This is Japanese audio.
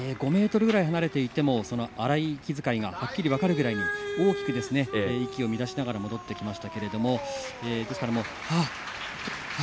５ｍ離れていても荒い息遣いがはっきり分かるぐらいに大きく息を乱しながら戻ってきました。